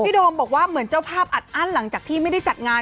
โดมบอกว่าเหมือนเจ้าภาพอัดอั้นหลังจากที่ไม่ได้จัดงาน